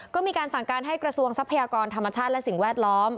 ก็มีการสั่งการให้กระทรวงทรัพยากรธรรมชาติและสิ่งแวดล้อม